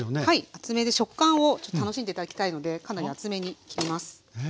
厚めで食感をちょっと楽しんで頂きたいのでかなり厚めに切ります。